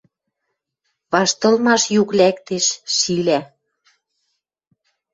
Ваштылмаш юк лӓктеш, шилӓ